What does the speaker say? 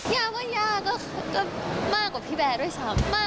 ย่าว่าย่าก็มากกว่าพี่แบร์ด้วยซ้ำ